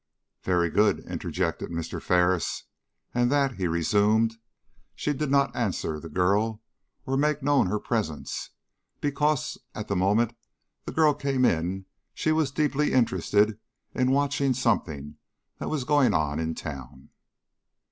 "Very good!" interjected Mr. Ferris. "And that," he resumed, "she did not answer the girl or make known her presence, because at the moment the girl came in she was deeply interested in watching something that was going on in the town."